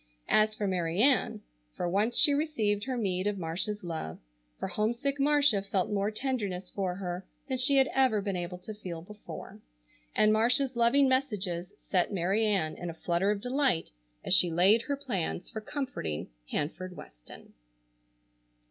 As for Mary Ann, for once she received her meed of Marcia's love, for homesick Marcia felt more tenderness for her than she had ever been able to feel before; and Marcia's loving messages set Mary Ann in a flutter of delight, as she laid her plans for comforting Hanford Weston.